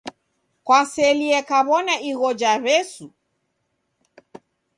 Kwaselie kuw'ona igho ja W'esu?